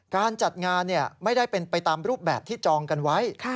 การจัดงานไม่ได้เป็นไปตามรูปแบบที่จองกันไว้